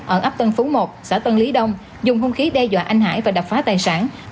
ở ấp tân phú một xã tân lý đông dùng hung khí đe dọa anh hải và đập phá tài sản